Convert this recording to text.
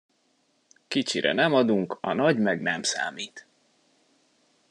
Kicsire nem adunk, a nagy meg nem számít.